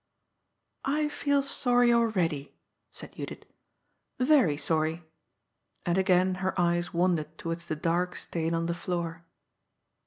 " I feel sorry already," said Judith —^" very sorry." And again her eyes wandered towards the dark stain on the floor.